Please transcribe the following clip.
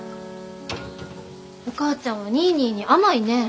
お母ちゃんはニーニーに甘いねぇ。